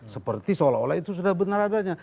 seperti seolah olah itu sudah benar adanya